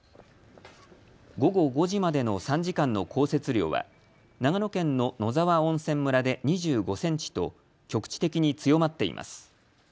午後５時までの３時間の降雪量は長野県の野沢温泉村で２５センチと局地的に強まっています。